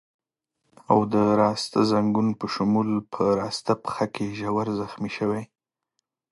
او د راسته ځنګون په شمول په راسته پښه کې ژور زخمي شوی.